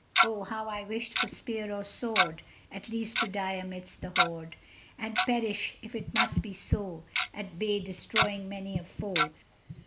Oh! how I wished for spear or sword, At least to die amidst the horde, And perish if it must be so At bay, destroying many a foe.